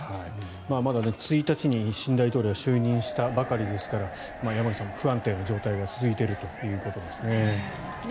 まだ１日に新大統領が就任したばかりですから山口さん、不安定な状態が続いているということですね。